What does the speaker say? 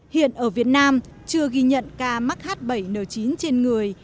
hiện ở việt nam chưa ghi nhận ca mắc h bảy n chín trên người